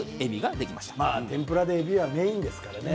天ぷらでえびはメインですからね